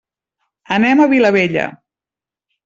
Anem a la Vilavella.